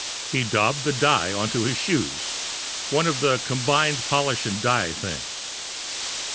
He daubed the dye onto his shoes one of the combined polish and dye things.